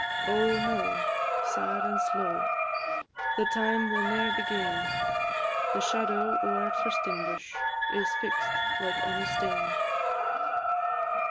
Oh, no! sad and slow, The time will ne'er be gane; The shadow o' our trysting bush Is fix'd like ony stane.